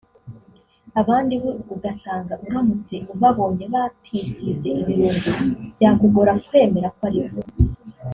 Abandi bo ugasanga uramutse ubabonye batisize ibirungo byakugora kwemera ko aribo